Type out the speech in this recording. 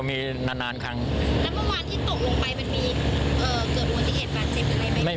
แล้วเมื่อวานที่ตกลงไปมันมีเกิดอวันที่เหตุการณ์เจ็บอีกไหม